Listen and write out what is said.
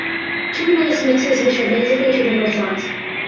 Two nice mixes which are basically two different songs.